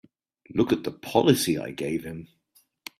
Look at the policy I gave him!